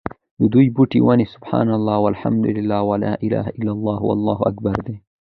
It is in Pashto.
ددي بوټي، وني: سُبْحَانَ اللهِ وَالْحَمْدُ للهِ وَلَا إِلَهَ إلَّا اللهُ وَاللهُ أكْبَرُ دي